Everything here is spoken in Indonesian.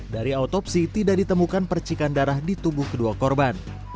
dari autopsi tidak ditemukan percikan darah di tubuh kedua korban